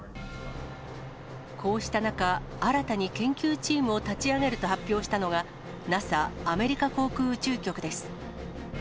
こうした中、新たに研究チームを立ち上げると発表したのが、ＮＡＳＡ・アメリカ航空宇宙局です。